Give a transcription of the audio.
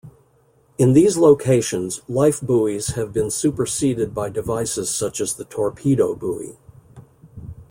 In these locations, lifebuoys have been superseded by devices such as the torpedo buoy.